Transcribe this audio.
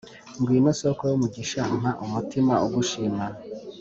Ngwino soko y’umugisha mpa umutima ugushima